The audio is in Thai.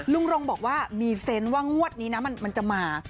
รงบอกว่ามีเซนต์ว่างวดนี้นะมันจะมา